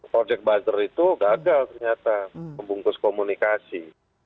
project buzzer itu gagal ternyata membungkus komunikasi